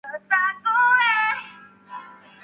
ソーヌ＝エ＝ロワール県の県都はマコンである